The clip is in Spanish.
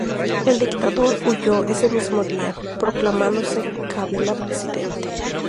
El dictador huyó ese mismo día, proclamándose Kabila presidente.